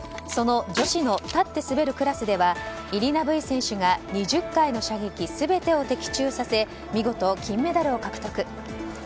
その女子の立って滑るクラスではイリナ・ブイ選手が２０回の射撃全てを的中させ見事、金メダルを獲得。